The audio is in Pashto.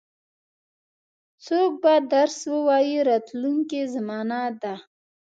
څوک به درس ووایي راتلونکې زمانه ده.